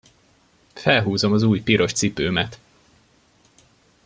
Felhúzom az új piros cipőmet!